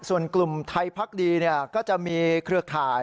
ส่วนกลุ่มไทยพักดีก็จะมีเครือข่าย